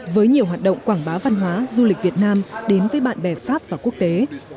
với nhiều hoạt động quảng bá văn hóa du lịch việt nam đến với bạn bè pháp và quốc tế